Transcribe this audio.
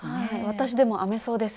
私でも編めそうです。